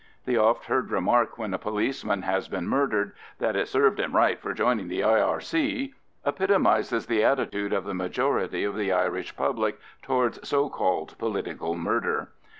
The oft heard remark when a policeman has been murdered, "that it served him right for joining the R.I.C.," epitomises the attitude of the majority of the Irish public towards so called "political murder."